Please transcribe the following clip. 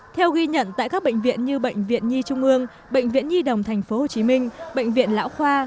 theo ghi nhận tại các bệnh viện như bệnh viện nhi trung ương bệnh viện nhi đồng tp hcm bệnh viện lão khoa